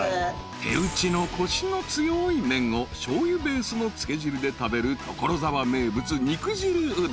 ［手打ちのコシの強い麺をしょうゆベースのつけ汁で食べる所沢名物肉汁うどん］